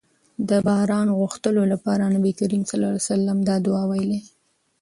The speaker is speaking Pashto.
د باران غوښتلو لپاره نبي کريم صلی الله علیه وسلم دا دعاء ويلي